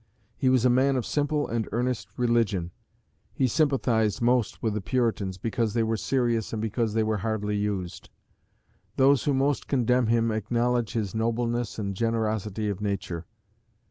He was a man of simple and earnest religion; he sympathized most with the Puritans, because they were serious and because they were hardly used. Those who most condemn him acknowledge his nobleness and generosity of nature.